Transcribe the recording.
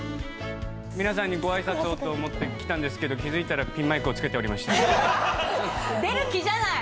皆さんにごあいさつをと思って来たんですけど、気付いたらピ出る気じゃない！